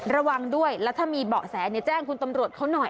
ระวังด้วยแล้วถ้ามีเบาะแสแจ้งคุณตำรวจเขาหน่อย